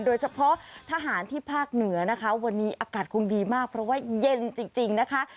โดยเฉพาะทหารที่ภาคเหนือนะคะวันนี้อากาศคงดีมากเพราะว่าเย็นจริงนะคะ